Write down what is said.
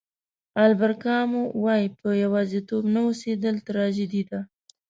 البر کامو وایي په یوازېتوب نه اوسېدل تراژیدي ده.